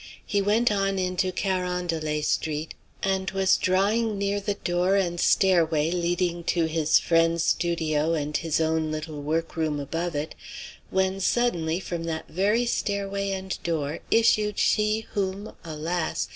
He went on into Carondelet Street and was drawing near the door and stairway leading to his friend's studio and his own little workroom above it, when suddenly from that very stairway and door issued she whom, alas!